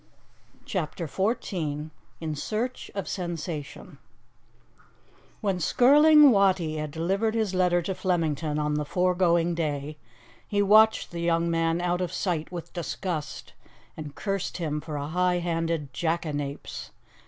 CHAPTER XIV IN SEARCH OF SENSATION WHEN Skirling Wattie had delivered his letter to Flemington on the foregoing day, he watched the young man out of sight with disgust, and cursed him for a high handed jackanapes.